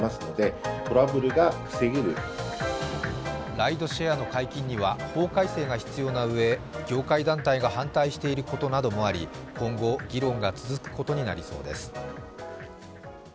ライドシェアの解禁には法改正が必要なうえ業界団体が反対していることなどもあり、今後、議論が続くことになりそうです。